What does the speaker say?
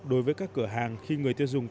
đối với các cửa hàng khi người tiêu dùng